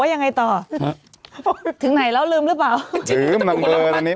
ว่ายังไงต่อฮะถึงไหนแล้วลืมหรือเปล่าลืมนางเบิร์ดอันนี้